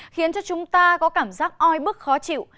khiến cho chúng ta có cảm giác oi bức khó chịu